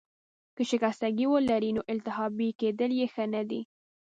که شکستګي ولرې، نو التهابي کیدل يې ښه نه دي.